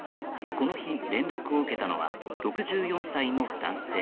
この日、連絡を受けたのは６４歳の男性。